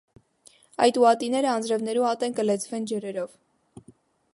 Այդ ուատիները անձրեւներու ատեն կը լեցուէին ջուրերով։